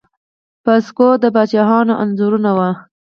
په سکو د پاچاهانو انځورونه وو